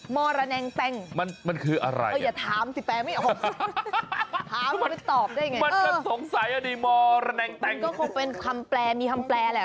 เมา